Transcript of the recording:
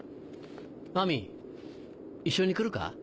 アミ一緒に来るか？